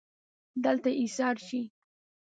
دلته ایسار شئ